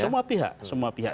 semua pihak semua pihak